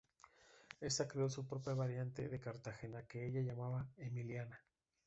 Esta creó su propia variante de cartagenera, que ella llamaba "emiliana.